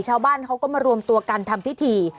ชาวบ้านเขาก็มารวมตัวกันทำพิธี